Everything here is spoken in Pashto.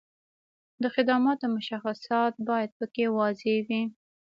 د خدماتو مشخصات باید په کې واضح وي.